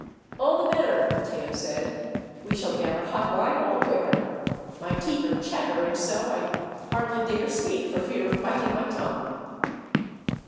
"All the better," Matteo said. "We shall get our hot wine all the quicker. My teeth are chattering so, I hardly dare speak for fear of biting my tongue."